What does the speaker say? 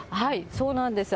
そうなんですよ。